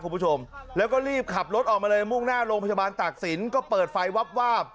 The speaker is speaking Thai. คุณผู้ชมแล้วก็รีบขับรถออกมาเลยมุ่งหน้าโรงพยาบาลตากศิลป์ก็เปิดไฟวับวาบ